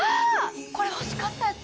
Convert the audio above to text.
これ欲しかったやつ。